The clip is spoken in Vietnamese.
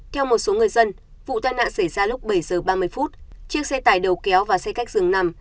theo một số người dân vụ tài nạn xảy ra lúc bảy h ba mươi chiếc xe tải đầu kéo và xe khách dường nằm